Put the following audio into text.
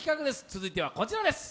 続いてはこちらです。